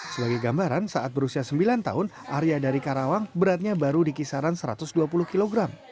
sebagai gambaran saat berusia sembilan tahun arya dari karawang beratnya baru di kisaran satu ratus dua puluh kg